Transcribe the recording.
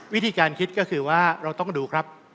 วิธีการคิดก็คือว่าเราต้องดูครับ